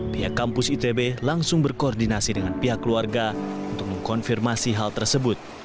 pihak kampus itb langsung berkoordinasi dengan pihak keluarga untuk mengkonfirmasi hal tersebut